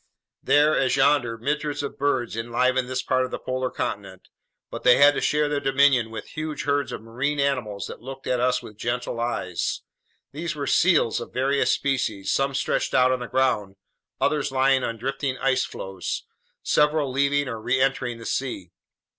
There as yonder, myriads of birds enlivened this part of the polar continent. But they had to share their dominion with huge herds of marine mammals that looked at us with gentle eyes. These were seals of various species, some stretched out on the ground, others lying on drifting ice floes, several leaving or reentering the sea.